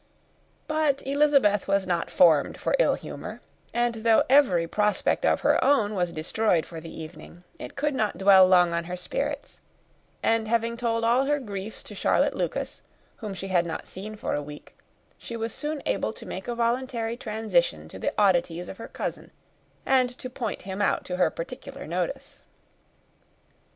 But Elizabeth was not formed for ill humour; and though every prospect of her own was destroyed for the evening, it could not dwell long on her spirits; and, having told all her griefs to Charlotte Lucas, whom she had not seen for a week, she was soon able to make a voluntary transition to the oddities of her cousin, and to point him out to her particular notice.